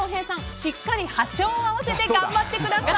しっかり波長を合わせて頑張ってください！